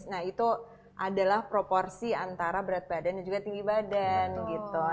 nah itu adalah proporsi antara berat badan dan juga tinggi badan gitu